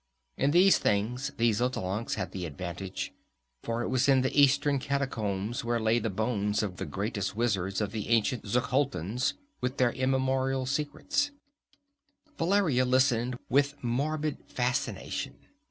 In these things the Xotalancas had the advantage, for it was in the eastern catacombs where lay the bones of the greatest wizards of the ancient Xuchotlans, with their immemorial secrets. Valeria listened with morbid fascination.